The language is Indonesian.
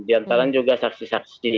di antara juga saksi saksi